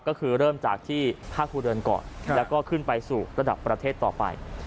ก็คือเริ่มจากที่ภาคภูเดินก่อนแล้วก็ขึ้นไปสู่ระดับประเทศต่อไป